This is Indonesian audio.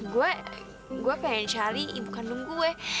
gue gue pengen cari ibu kandung gue